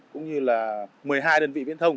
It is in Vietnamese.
cũng như là một mươi hai đơn vị viễn thông